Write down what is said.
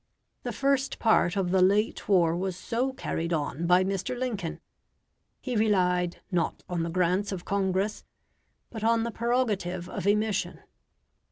The first part of the late war was so carried on by Mr. Lincoln; he relied not on the grants of Congress, but on the prerogative of emission.